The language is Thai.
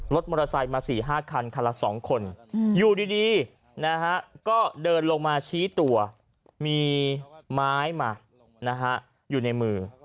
รถมอเตอร์ไซค์มา๔๕คันคันละ๒คนอยู่ดีนะฮะก็เดินลงมาชี้ตัวมีไม้มาอยู่ในมือ